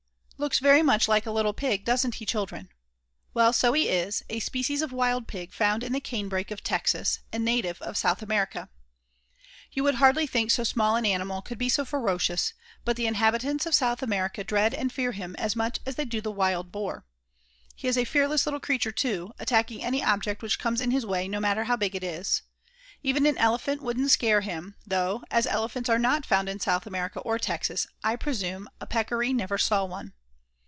Looks very much like a little Pig, does'nt he, children? Well, so he is, a species of wild pig found in the canebrakes of Texas, and native of South America. You would hardly think so small an animal could be so ferocious, but the inhabitants of South America dread and fear him as much as they do the Wild Boar. He is a fearless little creature, too, attacking any object which comes in his way no matter how big it is. Even an Elephant wouldn't scare him, though, as Elephants are not found in South America or Texas, I presume a Peccary never saw one.